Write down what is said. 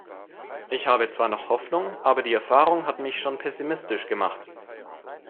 Ich habe zwar noch Hoffnung, aber die Erfahrung hat mich schon pessimistisch gemacht.